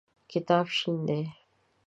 کتاب شین دی.